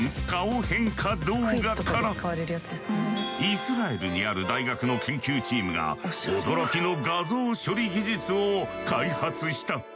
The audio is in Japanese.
イスラエルにある大学の研究チームが驚きの画像処理技術を開発した。